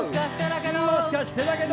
もしかしてだけど。